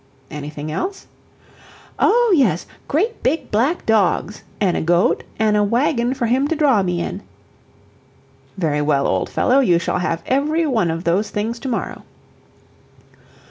"Anything else?" "Oh, yes great big black dogs an' a goat, an' a wagon for him to draw me in." "Very well, old fellow you shall have every one of those things tomorrow."